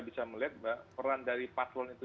bisa melihat mbak peran dari paslon itu